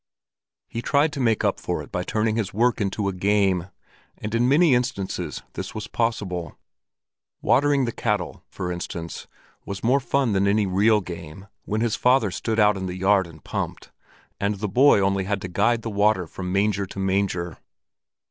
He tried to make up for it by turning his work into a game, and in many instances this was possible. Watering the cattle, for instance, was more fun than any real game, when his father stood out in the yard and pumped, and the boy only had to guide the water from manger to manger.